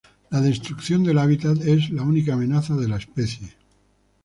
La destrucción del hábitat es la única amenaza de la especie.